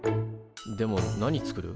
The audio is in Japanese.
でも何作る？